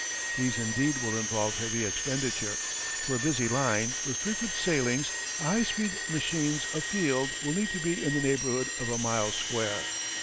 These indeed will involve heavy expenditure. For a busy line, with frequent sailings, of high speed machines a field will need to be in the neighbourhood of a mile square.